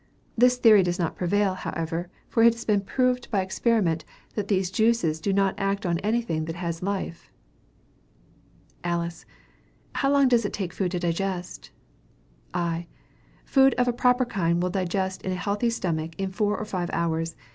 This theory does not prevail, however; for it has been proved by experiment, that these juices do not act on anything that has life. Alice. How long does it take the food to digest? I. Food of a proper kind will digest in a healthy stomach, in four or five hours.